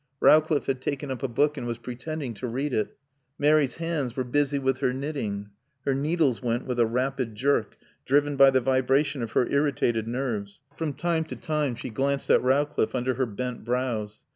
Rowcliffe had taken up a book and was pretending to read it. Mary's hands were busy with her knitting. Her needles went with a rapid jerk, driven by the vibration of her irritated nerves. From time to time she glanced at Rowcliffe under her bent brows.